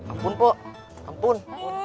ampun pok ampun